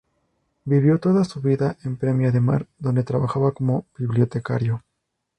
Vivió toda su vida en Premiá de Mar, donde trabajaba como bibliotecario.